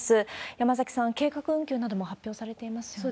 山崎さん、計画運休なども発表されていますよね。